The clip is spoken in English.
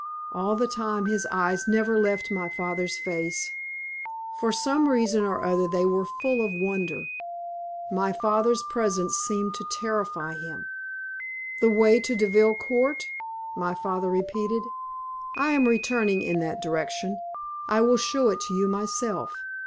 All the time his eyes never left my father's face. For some reason or other they were full of wonder; my father's presence seemed to terrify him. "The way to Deville Court?" my father repeated. "I am returning in that direction. I will show it to you myself.